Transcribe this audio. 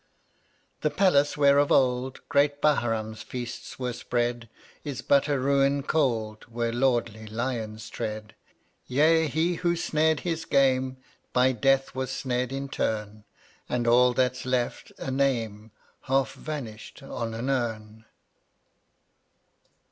151 The palace where of old Great Bahrain's feasts were spread Is but a ruin cold Where lordly lions tread. Yea, he who snared his game, By Death was snared in turn, And all that's left — a name, Half vanished, on an urn.